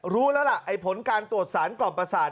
รู้แล้วล่ะไอ้ผลการตรวจสารกล่อมประสาท